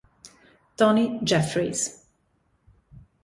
Tony Jeffries